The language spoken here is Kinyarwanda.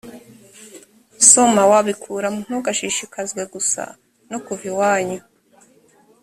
somo wabikuramo ntugashishikazwe gusa no kuva iwanyu